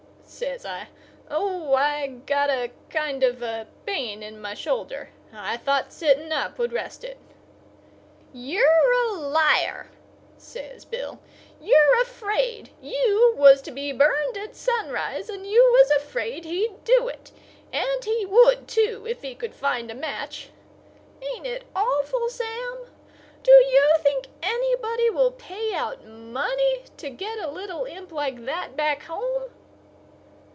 says I. "Oh, I got a kind of a pain in my shoulder. I thought sitting up would rest it." "You're a liar!" says Bill. "You're afraid. You was to be burned at sunrise, and you was afraid he'd do it. And he would, too, if he could find a match. Ain't it awful, Sam? Do you think anybody will pay out money to get a little imp like that back home?"